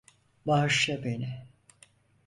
Bağışla beni.